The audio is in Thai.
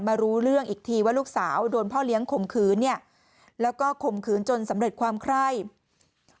รู้เรื่องอีกทีว่าลูกสาวโดนพ่อเลี้ยงข่มขืนเนี่ยแล้วก็ข่มขืนจนสำเร็จความไคร่